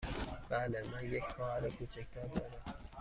بله، من یک خواهر کوچک تر دارم.